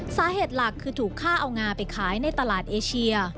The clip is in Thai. สาเหตุหลักคือถูกฆ่าเอางาไปขายในตลาดเอเชีย